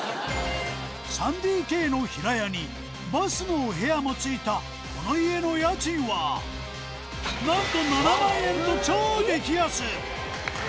３ＤＫの平屋にバスのお部屋もついたこの家の家賃はなんと７万円と超激安！